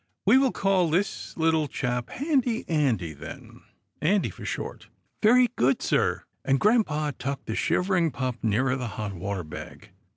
We will call this little chap Handy Andy then — Andy for short." " Very good, sir," and grampa tucked the shiv ering pup nearer the hot water bag.